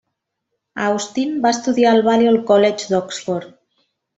Austin va estudiar al Balliol College d'Oxford.